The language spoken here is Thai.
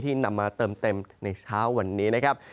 นำมาเติมเต็มในเช้าวันนี้นะครับ